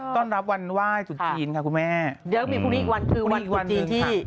ต้อนรับวันไหว้จุดจีนค่ะคุณแม่เดี๋ยวมีพรุ่งนี้อีกวันคือวันจีนที่